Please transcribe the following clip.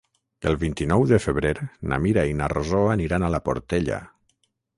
El vint-i-nou de febrer na Mira i na Rosó aniran a la Portella.